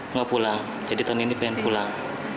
nggak pulang jadi tahun ini pengen pulang